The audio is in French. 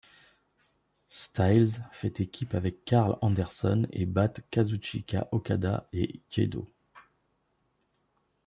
Styles fait équipe avec Karl Anderson et battent Kazuchika Okada et Gedo.